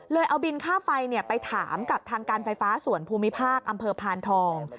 เอาบินค่าไฟไปถามกับทางการไฟฟ้าส่วนภูมิภาคอำเภอพานทอง